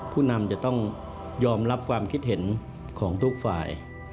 ผู้นำจะต้องยอมรับความคิดเห็นของทุกฝ่าย